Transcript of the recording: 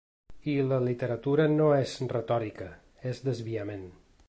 I la literatura no és retòrica, és desviament.